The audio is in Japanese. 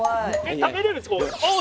食べれるんすか？